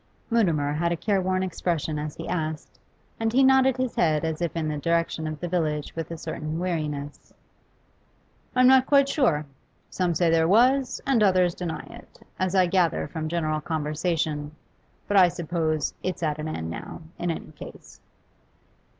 Mutimer had a careworn expression as he asked, and he nodded his head as if in the direction of the village with a certain weariness. 'I'm not quite sure. Some say there was, and others deny it, as I gather from general conversation. But I suppose it's at an end now, in any case.